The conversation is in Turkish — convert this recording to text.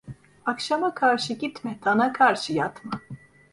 Akşama karşı gitme, tana karşı yatma.